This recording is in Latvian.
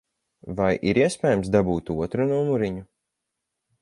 Vai ir iespējams dabūt otru numuriņu?